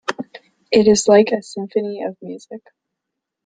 It is like a symphony of music.